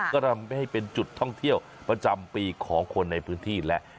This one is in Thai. ก็ทำให้เป็นจุดท่องเที่ยวประจำปีของคนในพื้นที่และ